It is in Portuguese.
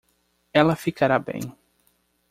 Ela ficará bem.